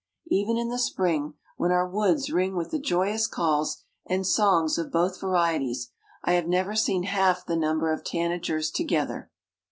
Even in the spring, when our woods ring with the joyous calls and songs of both varieties, I have never seen half the number of tanagers together.